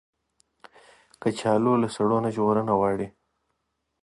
کچالو له سړو نه ژغورنه غواړي